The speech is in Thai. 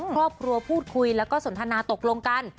ครอบครัวพูดคุยแล้วก็สนทนาตกลงกัน